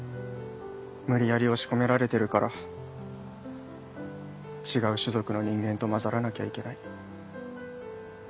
無理やり押し込められてるから違う種族の人間と混ざらなきゃいけない。